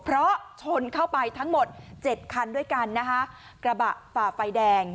เพราะชนเข้าไปทั้งหมดเจ็ดคันด้วยกันนะคะกระบะฝ่าไฟแดง